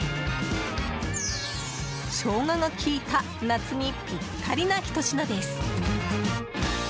ショウガが効いた夏にピッタリなひと品です。